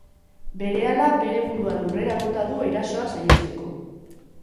Berehala bere burua lurrera bota du erasoa saihesteko.